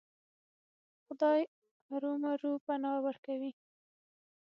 خدای ارومرو پناه ورکوي.